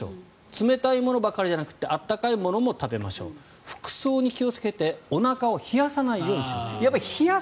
冷たいものばかりじゃなくて温かいものも食べましょう服装に気をつけておなかを冷やさないようにしましょう。